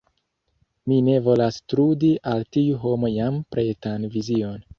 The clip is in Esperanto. Mi ne volas trudi al tiu homo jam pretan vizion.